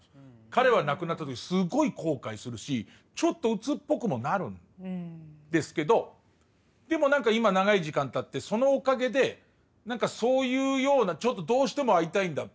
彼が亡くなった時すごい後悔するしちょっとうつっぽくもなるんですけどでも何か今長い時間たってそのおかげで何かそういうようなちょっとどうしても会いたいんだ